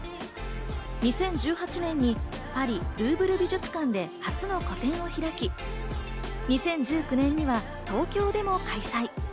２０１８年にパリ・ルーヴル美術館で初の個展を開き、２０１９年には東京でも開催。